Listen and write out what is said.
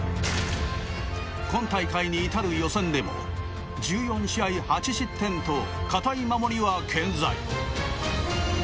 今大会に至る予選でも１４試合８失点と堅い守りは健在。